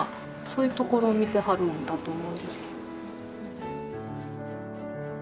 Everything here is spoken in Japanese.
そういうところを見てはるんだと思うんですけど。